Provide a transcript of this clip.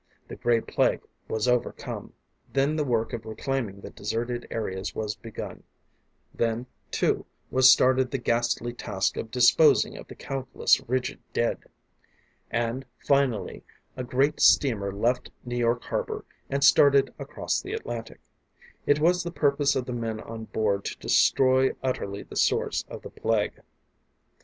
The Gray Plague was overcome. Then the work of reclaiming the deserted areas was begun; then, too, was started the ghastly task of disposing of the countless, rigid dead. And finally, a great steamer left New York harbor, and started across the Atlantic. It was the purpose of the men on board to destroy utterly the source of the Plague.